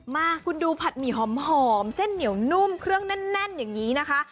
มาคุณดูผัดหมี่หอมเส้นเหนียวนุ่มเครื่องแน่นอย่างนี้นะคะ